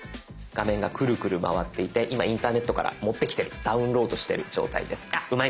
画面がクルクル回っていて今インターネットから持ってきてるダウンロードしてる状態です。